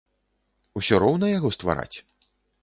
Усё роўна яго ствараць?